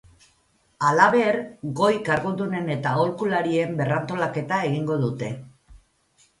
Halaber, goi kargudunen eta aholkularien berrantolaketa egingo dute.